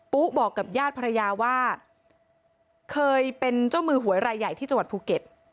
ปุ๊บอกกับญาติภรรยาว่าเคยเป็นเจ้ามือหวยรายใหญ่ที่จังหวัดภูเก็ต